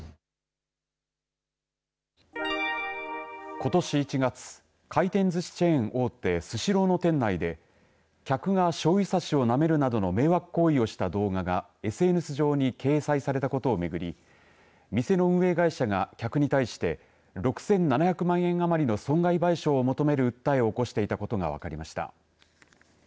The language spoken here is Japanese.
ことし１月回転ずしチェーン大手スシローの店内で客がしょうゆさしをなめるなどの迷惑行為をした動画がＳＮＳ上に掲載されたことを巡り店の運営会社が、客に対して６７００万円余りの損害賠償を求める訴えを起こしていたことが分かりました。